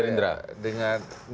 hubungannya dengan pks gerindra